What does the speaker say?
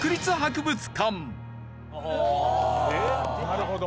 なるほど。